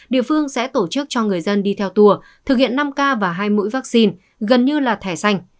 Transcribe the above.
địa phương sẽ tổ chức cho người dân đi theo tùa thực hiện năm k và hai mũi vaccine gần như là thẻ xanh